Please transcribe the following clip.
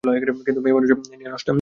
কিন্তু মেয়ে মানুষ নিয়ে নষ্টামি?